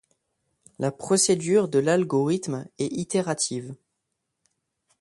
La procédure de l'algorithme est itérative.